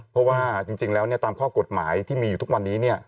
เพราะว่าจริงแล้วตามข้อกฎหมายที่มีอยู่ทุกวันนี้